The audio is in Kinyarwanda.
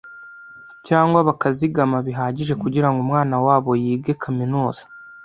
cyangwa bakazigama bihagije kugirango umwana wabo yige kaminuza